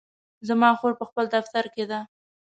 زما خور په خپل دفتر کې ده